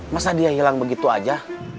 masa dia hilang begitu aja